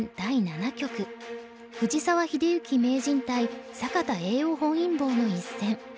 藤沢秀行名人対坂田栄男本因坊の一戦。